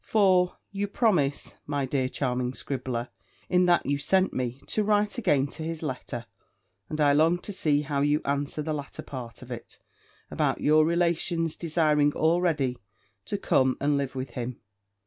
For, you promise, my dear charming scribbler, in that you sent me, to write again to his letter; and I long to see how you answer the latter part of it, about your relations desiring already to come and live with him.